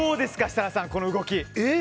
設楽さん、この動き。